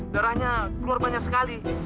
darahnya keluar banyak sekali